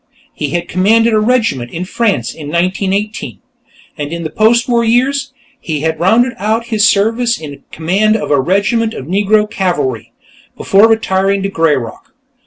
He had commanded a regiment in France in 1918, and in the post war years, had rounded out his service in command of a regiment of Negro cavalry, before retiring to "Greyrock."